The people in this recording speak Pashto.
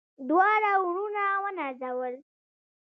دواړه وروڼه ونازول.